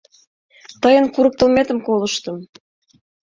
— Тыйын курыктылметым колыштым.